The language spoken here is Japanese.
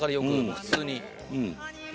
普通に。